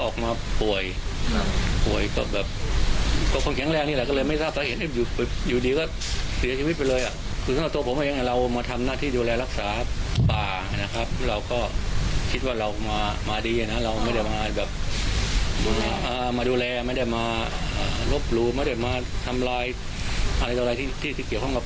คิดว่าเรามามาดีนะเราไม่ได้มาแบบมาดูแลไม่ได้มาลบหลู่ไม่ได้มาทำรายอะไรอะไรที่ที่เกี่ยวข้องกับป่า